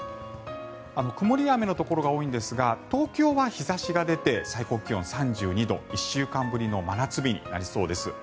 曇りや雨のところが多いんですが東京は日差しが出て最高気温３２度１週間ぶりの真夏日になりそうです。